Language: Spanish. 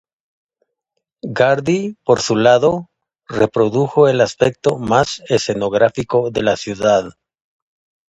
Guardi, por su lado, reprodujo el aspecto más escenográfico de la ciudad.